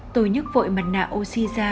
tôi nhức vội mặt nạ oxy ra